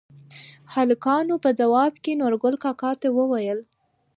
هلکانو په ځواب کې نورګل کاکا ته ووېل: